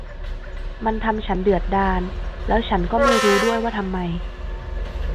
มันทำฉันเดือดดาลแล้วฉันก็ไม่รู้ด้วยว่าทำไม